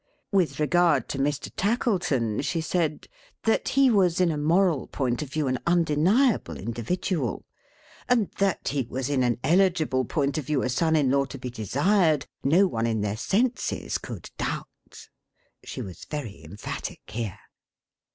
With regard to Mr. Tackleton she said, That he was in a moral point of view an undeniable individual; and That he was in an eligible point of view a son in law to be desired, no one in their senses could doubt. (She was very emphatic here).